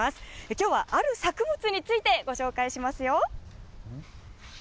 きょうはある作物についてご紹介しますよ。